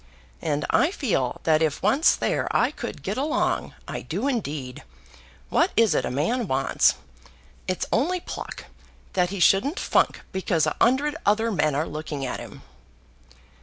"And I feel that if once there I could get along. I do indeed. What is it a man wants? It's only pluck, that he shouldn't funk because a 'undred other men are looking at him."